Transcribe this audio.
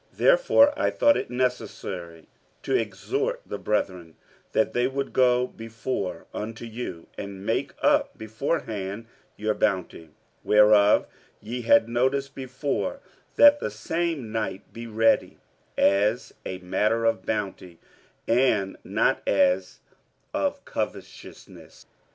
47:009:005 Therefore I thought it necessary to exhort the brethren, that they would go before unto you, and make up beforehand your bounty, whereof ye had notice before, that the same might be ready, as a matter of bounty, and not as of covetousness.